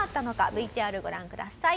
ＶＴＲご覧ください。